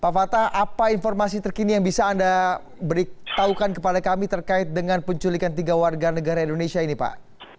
pak fatah apa informasi terkini yang bisa anda beritahukan kepada kami terkait dengan penculikan tiga warga negara indonesia ini pak